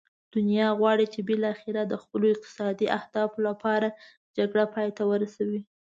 دنیا غواړي چې بالاخره د خپلو اقتصادي اهدافو لپاره جګړه پای ته ورسوي.